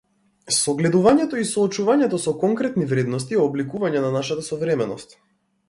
Согледувањето и соочувањето со конкретни вредности е обликување на нашата современост.